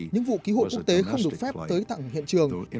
những vụ cứu hộ quốc tế không được phép tới tặng hiện trường